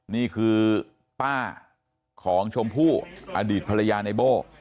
นี่คือป้าของชมพู่อดีตภรรยาในโบ้